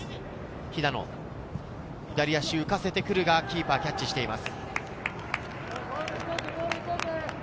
肥田野、左足を浮かせてくるが、キーパーがキャッチしています。